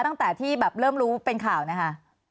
ตั้งแต่ที่แบบเริ่มรู้เป็นข่าวนะคะ